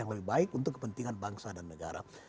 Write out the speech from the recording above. yang lebih baik untuk kepentingan bangsa dan negara